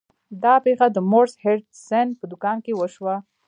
دا پیښه د مورس هډسن په دکان کې وشوه.